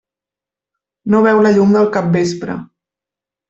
No veu la llum del capvespre.